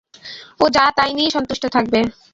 ও যা তাই নিয়েই সন্তুষ্ট থাকব।